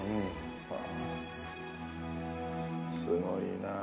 すごいなあ。